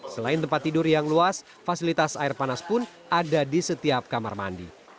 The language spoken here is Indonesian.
selain tempat tidur yang luas fasilitas air panas pun ada di setiap kamar mandi